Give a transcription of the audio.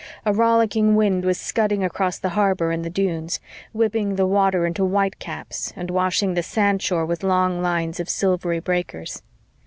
A rollicking wind was scudding across the harbor and the dunes, whipping the water into white caps and washing the sandshore with long lines of silvery breakers.